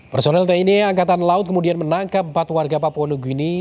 personel tni angkatan laut kemudian menangkap empat warga papua new guine